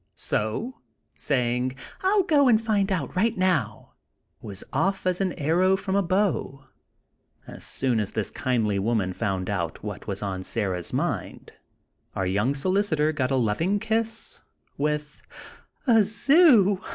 So, saying, "I'll go and find out, right now," was off as an arrow from a bow. As soon as this kindly woman found out what was on Sarah's mind, our young solicitor got a loving kiss, with: "A zoo!